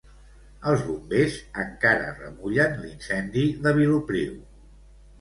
Els Bombers encara remullen l'incendi de Vilopriu.